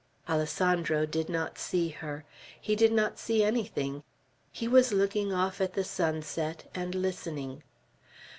Alessandro did not see her. He did not see anything. He was looking off at the sunset, and listening.